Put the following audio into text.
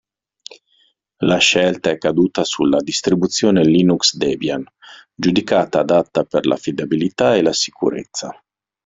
La scelta è caduta sulla distribuzione Linux Debian, giudicata adatta per l'affidabilità e la sicurezza.